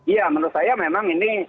ya menurut saya memang ini